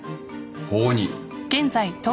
法に。